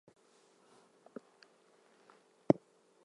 This form is more commonly seen in females and presents with constipation.